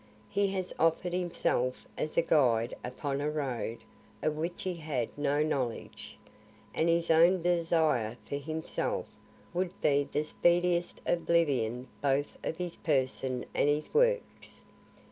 He has offer'd himself as a guide upon a road of which he had no knowledge; and his own desire for himself would be the speediest oblivion both of his person and his works.